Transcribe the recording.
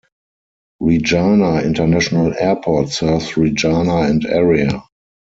Regina International Airport serves Regina and area.